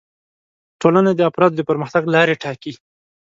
ټولنه د افرادو د پرمختګ لارې ټاکي